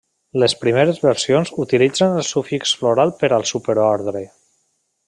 Les primeres versions utilitzen el sufix floral per al superordre.